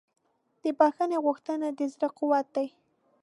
د بښنې غوښتنه د زړه قوت دی.